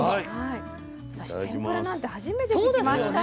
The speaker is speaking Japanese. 私天ぷらなんて初めて聞きました。